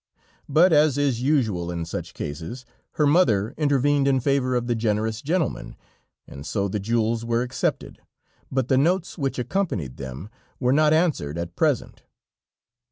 But as is usual in such cases, her mother intervened in favor of the generous gentlemen, and so the jewels were accepted, but the notes which accompanied them were not answered at present.